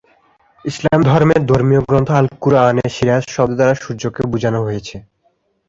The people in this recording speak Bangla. ইসলাম ধর্মের ধর্মীয় গ্রন্থ আল কুরআনে সিরাজ শব্দ দ্বারা সূর্যকে বুঝানো হয়েছে।